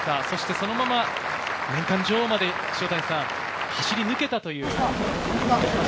そのまま年間女王まで走り抜けたという。